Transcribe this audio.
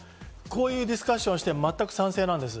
こういうディスカッションをして全く賛成なんです。